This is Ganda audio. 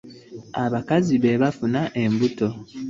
Abakazi be bafuna embuto.